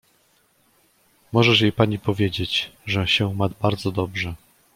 "możesz jej pani powiedzieć, że się ma bardzo dobrze."